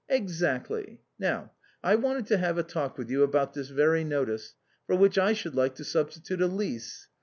" Exactly. Now I wanted to have a talk with you about this very notice, for which I should like to substitute a lease.